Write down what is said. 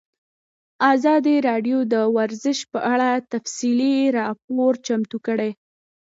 ازادي راډیو د ورزش په اړه تفصیلي راپور چمتو کړی.